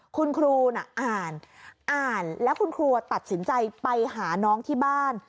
คุณครูน่ะอ่านอ่านแล้วคุณครูตัดสินใจไปหาน้องที่บ้าน